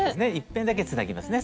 １辺だけつなぎますね